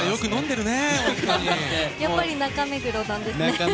やっぱり中目黒なんですね。